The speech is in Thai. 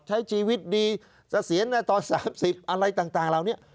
ใช้ชีวิตดีจะเสียหน้าต่อ๓๐อะไรต่างราวนี้